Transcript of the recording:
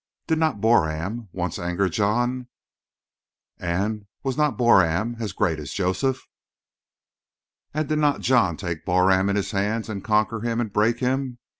Did not Boram once anger John? And was not Boram as great as Joseph? And did not John take Boram in his hands and conquer him and break him?